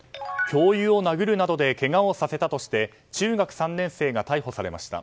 教諭を殴るなどでけがをさせたとして中学３年生が逮捕されました。